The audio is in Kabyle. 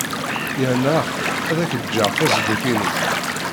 Yerna ax ad ak-d-ǧǧeɣ fasebbuk-inu.